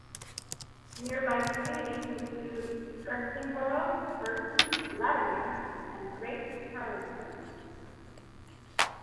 Nearby communities include Irthlingborough, Burton Latimer and Great Harrowden.